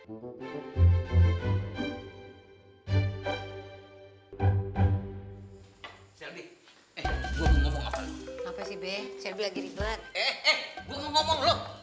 udah kagak ada yang ngomong apa lu